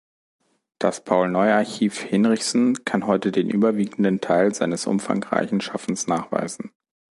Das Paul-Neu-Archiv Hinrichsen kann heute den überwiegenden Teil seines umfangreichen Schaffens nachweisen.